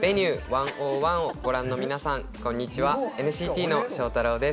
「Ｖｅｎｕｅ１０１」をご覧の皆さんこんにちは。